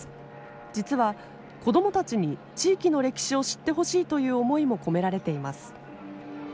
実は子どもたちに地域の歴史を知ってほしいという思いも込められています。